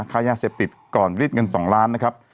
ค่ายาเสพติดก่อนริดเงิน๒ล้านบาท